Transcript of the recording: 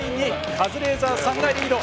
カズレーザーさんがリード！